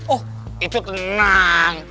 oh itu tenang